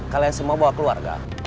kalian semua bahwa keluarga